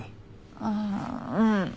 ああうん。